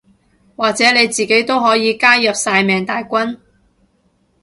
或者你自己都可以加入曬命大軍